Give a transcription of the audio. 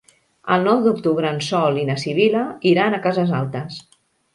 El nou d'octubre en Sol i na Sibil·la iran a Cases Altes.